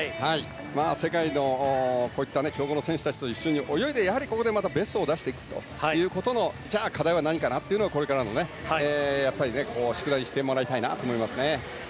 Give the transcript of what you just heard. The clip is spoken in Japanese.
世界のこういった強豪の選手たちと一緒に泳いでやはりここでベストを出していくということのじゃあ、課題は何かということをこれからの宿題にしてもらいたいと思いますね。